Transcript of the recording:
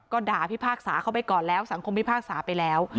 ก็ด่าพิพากษาเข้าไปก่อนแล้วสังคมพิพากษาไปแล้ว